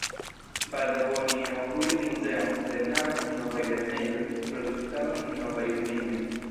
Baldaŭ oni inaŭguris muzeon, lernadon en novaj lernejoj, produktadon en novaj uzinoj.